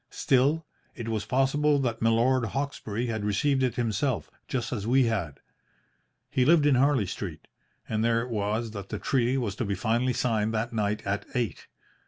Still, it was possible that Milord Hawkesbury had received it himself just as we had. He lived in Harley Street, and there it was that the treaty was to be finally signed that night at eight.